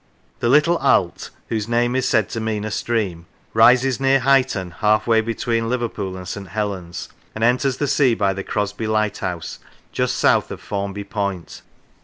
The little Alt, whose name is said to mean a stream, rises near Huyton, halfway between Liverpool and St. Helen's, and enters the sea by the Crosby Lighthouse, just south of Formby Point.